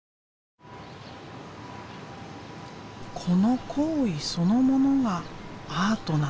この行為そのものがアートなのか？